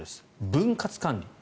分割管理。